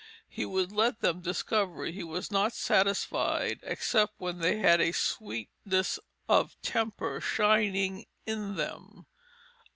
He would let them discover he was not satisfied, except when they had a sweetness of temper shining in them."